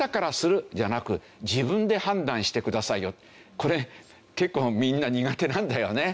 これ結構みんな苦手なんだよね。